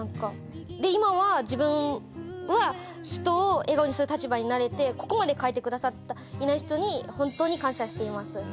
今は自分は人を笑顔にする立場になれてここまで変えてくださったイナイ士長に本当に感謝しています。